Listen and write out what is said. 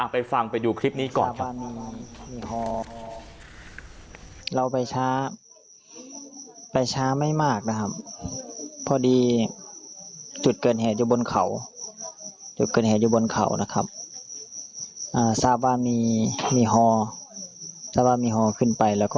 ไปฟังไปดูคลิปนี้ก่อนครับ